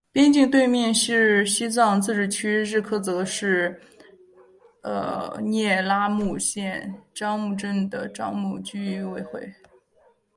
边境对面是西藏自治区日喀则市聂拉木县樟木镇的樟木居委会。